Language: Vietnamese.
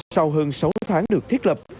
sau hơn sáu tháng được thiết lập